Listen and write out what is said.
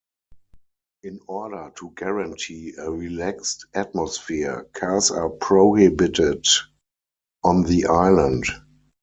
In order to guarantee a relaxed atmosphere, cars are prohibited on the island.